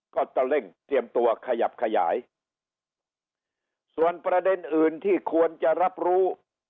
ก็จะเร่งเตรียมตัวขยับขยายส่วนประเด็นอื่นที่ควรจะรับรู้